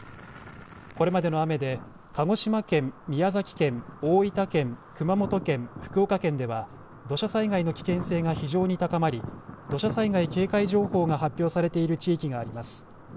これまでの雨で鹿児島県、宮崎県、大分県、熊本県、福岡県では土砂災害の危険性が非常に高まり土砂災害警戒情報が発表されている地域があります。